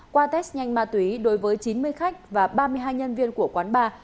qua test nhanh ma túy đối với chín mươi khách và ba mươi hai nhân viên của quán bar